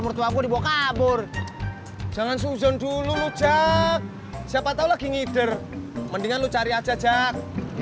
mertua aku dibawa kabur jangan suzon dulu jak siapa tahu lagi ngider mendingan lu cari aja jak